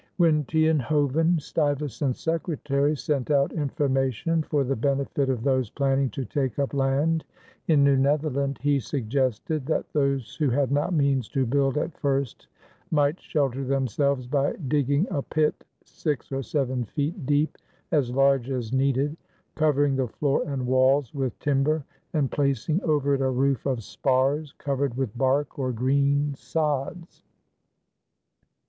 When Tienhoven, Stuyvesant's secretary, sent out information for the benefit of those planning to take up land in New Netherland, he suggested that those who had not means to build at first might shelter themselves by digging a pit six or seven feet deep as large as needed, covering the floor and walls with timber and placing over it a roof of spars covered with bark or green sods.